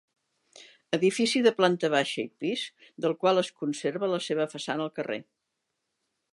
Edifici de planta baixa i pis del qual es conserva la seva façana a carrer.